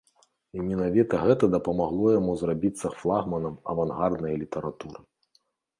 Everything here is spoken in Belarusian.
І менавіта гэта дапамагло яму зрабіцца флагманам авангарднай літаратуры.